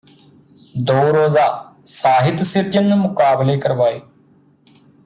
ਦੋ ਰੋਜ਼ਾ ਸਾਹਿਤ ਸਿਰਜਨ ਮੁਕਾਬਲੇ ਕਰਵਾਏ